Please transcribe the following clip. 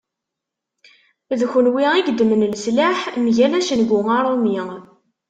D kunwi i yeddmen leslaḥ mgal acengu arumi.